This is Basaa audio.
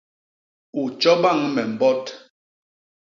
U tjo bañ me mbot!